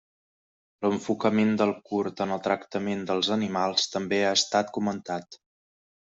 L'enfocament del curt en el tractament dels animals també ha estat comentat.